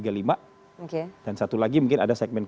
oke dan satu lagi mungkin ada segmen